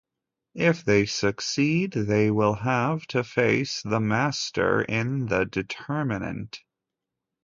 If they succeed, they will have to face the Master in the Determinant.